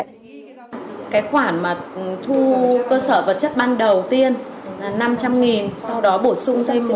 cái khoản mà thu cơ sở vật chất ban đầu tiên